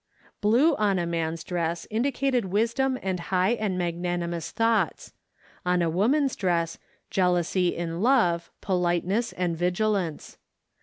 Blue on a man's dress indicated wisdom and high and magnanimous thoughts; on a woman's dress, jealousy in love, politeness, and vigilance.